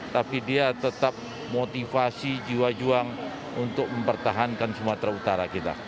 tapi dia tetap motivasi jiwa juang untuk mempertahankan sumatera utara kita